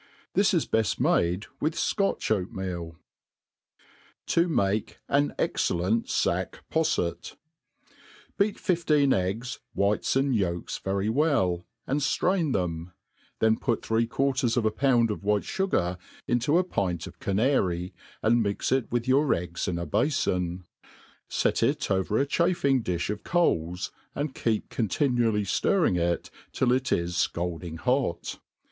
This is heft made wuh Scotch oatmeal. To make an excellent Sack' PoJfeU ' BEAT fifteen eggs, whites and jolks very wcll^ and ftraiii them ; then put three quarters of a pound of whit^ fugar into, a pint of canary, and mix it with your eggs in a bdfon ; ftt it over a chafing di(h of coals, and keep continually ftirring it till it is fcalding hot.